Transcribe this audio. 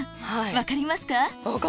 分かります。